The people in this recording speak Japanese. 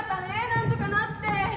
なんとかなって。